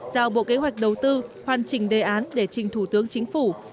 giao bộ kế hoạch đầu tư hoàn chỉnh đề án để trình thủ tướng chính phủ